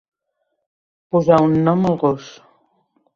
Posar un nom al gos.